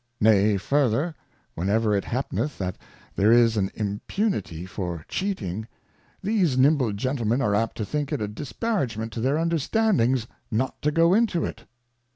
Nay further ; Whenever it hapneth that there is an Impunity T, for 146 Cautions for Choice of for Cheating, these nimble Gentlemen are apt to think it a disparagement to their Understandings not to go into it.